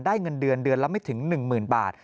ได้เงินเดือนเดือนละไม่ถึง๑หมื่นบาท